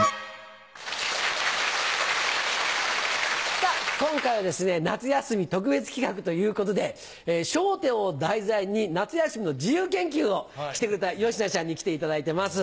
さぁ今回はですね夏休み特別企画ということで『笑点』を題材に夏休みの自由研究をしてくれたよしなちゃんに来ていただいてます。